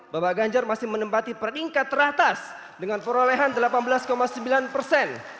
bapak ganjar masih menempati peringkat teratas dengan perolehan delapan belas sembilan persen